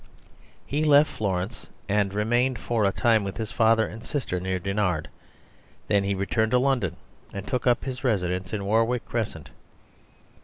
He left Florence and remained for a time with his father and sister near Dinard. Then he returned to London and took up his residence in Warwick Crescent.